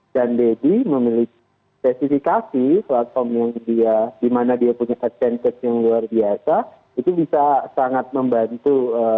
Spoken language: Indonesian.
dan deddy memiliki spesifikasi platform yang dia dimana dia punya kecantik yang luar biasa itu bisa sangat membantu